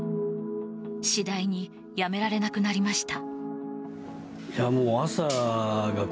次第にやめられなくなりました。